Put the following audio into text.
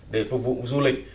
để phục vụ du lịch